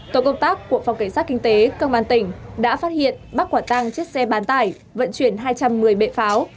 tổ công tác của phòng cảnh sát kinh tế công an tỉnh đã phát hiện bắt quả tang chiếc xe bán tải vận chuyển hai trăm một mươi bệ pháo